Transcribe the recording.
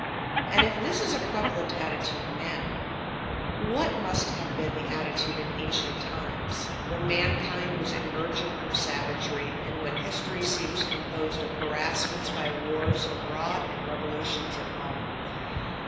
And if this is a prevalent attitude now, what must have been the attitude in ancient times, when mankind was emerging from savagery, and when history seems composed of harassments by wars abroad and revolutions at home?